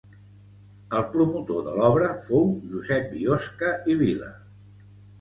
El promotor de l'obra fou Josep Biosca i Vila.